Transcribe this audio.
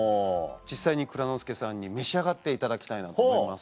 実際に蔵之介さんに召し上がっていただきたいなと思います。